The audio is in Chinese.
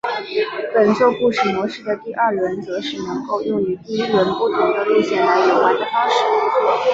本作故事模式的第二轮则是能够用与第一轮不同的路线来游玩的方式。